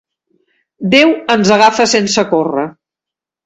Déu ens agafa sense córrer.